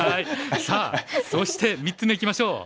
さあそして３つ目いきましょう。